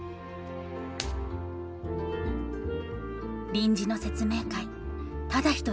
臨時の説明会ただ１人